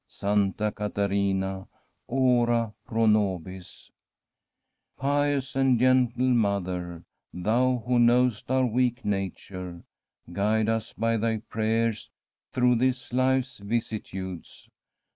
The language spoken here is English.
Santa Caterina, ora pro nobis !'Pioos and gentle Mother, thou who knowest our weak patnre, guide us by thy prayers through this life's vicissitudes.